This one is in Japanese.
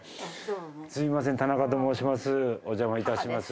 すみません田中と申します。